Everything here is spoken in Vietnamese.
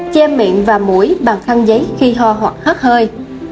che miệng và mũi bằng khăn giấy khi ho hoặc hắt hơi